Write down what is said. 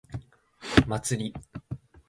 祭り